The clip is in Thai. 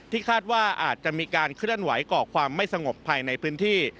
คาดว่าอาจจะมีการเคลื่อนไหวก่อความไม่สงบภายในพื้นที่